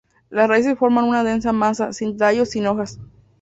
Las raíces forman una densa masa, sin tallos, sin hojas.